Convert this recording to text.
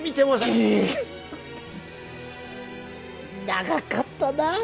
長かったなぁ